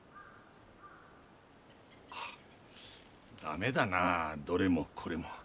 ああ駄目だなどれもこれも。